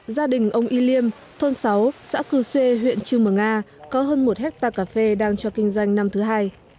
gia đình ông y liêm thôn sáu xã cư xê huyện trương mở nga có hơn một hectare cà phê đang cho kinh doanh năm thứ hai